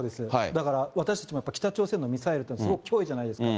だから、私たちも北朝鮮のミサイルっていうのは、すごく脅威じゃないですか。